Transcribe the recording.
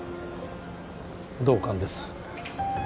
同感です